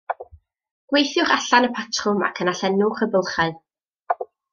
Gweithiwch allan y patrwm ac yna llenwch y bylchau.